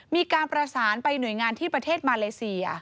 มีการประสานไปหน่วยงานที่ประเทศมาเลเซีย